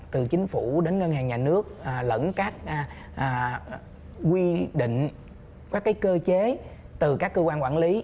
từ chính phủ đến ngân hàng nhà nước lẫn các quy định các cơ chế từ các cơ quan quản lý